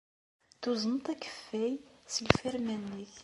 Tuzneḍ-d akeffay seg lfirma-nnek.